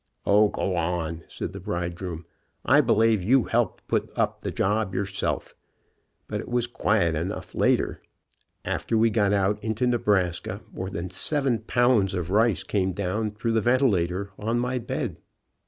"O, go on," said the bridegroom, "I believe you helped put up the job yourself. But it was quiet enough later. After we got out into Nebraska more than seven pounds of rice came down through the ventilator on my bed.